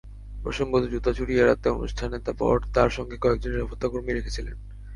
প্রসঙ্গত, জুতা চুরি এড়াতে অনুষ্ঠানে বর তাঁর সঙ্গে কয়েকজন নিরাপত্তাকর্মী রেখেছিলেন।